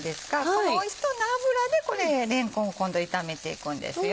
このおいしそうな脂でれんこんを今度炒めていくんですよ。